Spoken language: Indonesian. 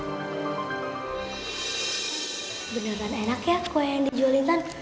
beneran enak ya kue yang dijual intan